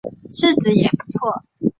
柿子也不错